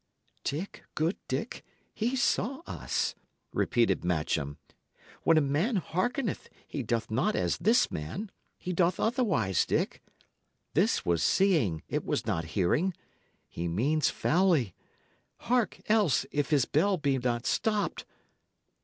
'" "Dick, good Dick, he saw us," repeated Matcham. "When a man hearkeneth, he doth not as this man; he doth otherwise, Dick. This was seeing; it was not hearing. He means foully. Hark, else, if his bell be not stopped!"